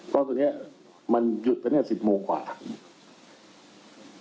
ตอนสุดนี้มันหยุดไปตอน๑๐โมงกว่านะครับ